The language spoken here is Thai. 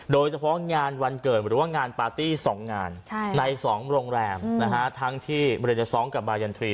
โดยเฉพาะงานวันเกิดหรือว่างานปาร์ตี้๒งานใน๒โรงแรมทั้งที่บริเวณเดอร์๒กับบายันทรี